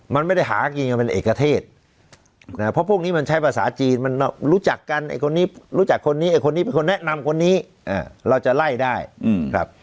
มันไม่ได้หากินกันเป็นเอกเทศเพราะพวกนี้มันใช้ภาษาจีนมันรู้จักกันไอ้คนนี้รู้จักคนนี้ไอคนนี้เป็นคนแนะนำคนนี้เราจะไล่ได้ครับ